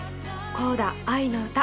『コーダあいのうた』